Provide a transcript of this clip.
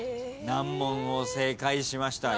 難問を正解しました。